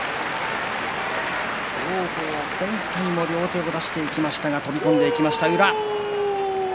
王鵬、今回も両手を出していきましたが飛び込んでいきました宇良。